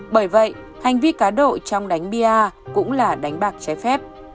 bởi vậy hành vi cá độ trong đánh bia cũng là đánh bạc trái phép